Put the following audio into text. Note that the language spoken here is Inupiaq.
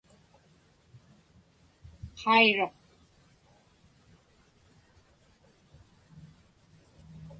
Qairuq.